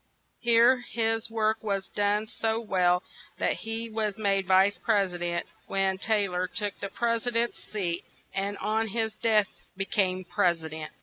Here his work was done so well that he was made vice pres i dent, when Tay lor took the pres i dent's seat; and on his death be came pres i dent.